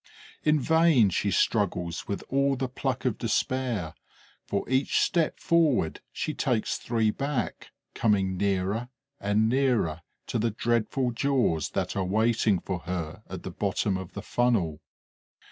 In vain she struggles, with all the pluck of despair: for each step forward she takes three back, coming nearer and nearer to the dreadful jaws that are waiting for her at the bottom of the funnel.